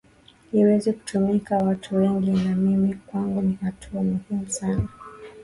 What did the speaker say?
iweze kutumikia watu wengi na mimi kwangu ni hatua muhimu sana